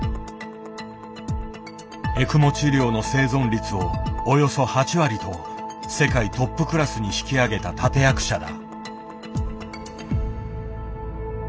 エクモ治療の生存率をおよそ８割と世界トップクラスに引き上げた立て役者だ。